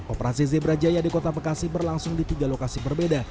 operasi zebra jaya di kota bekasi berlangsung di tiga lokasi berbeda